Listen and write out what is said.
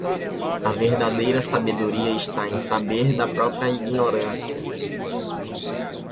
A verdadeira sabedoria está em saber da própria ignorância.